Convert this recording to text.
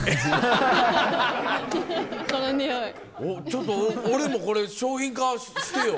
ちょっと俺もこれ商品化してよ。